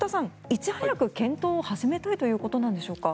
いち早く検討を始めたいということでしょうか？